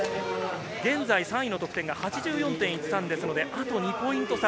現在３位の得点８４．１３ですので、あと２ポイント差。